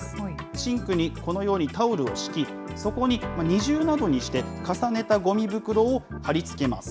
シンクにこのようにタオルを敷き、そこに二重などにして重ねたごみ袋を貼り付けます。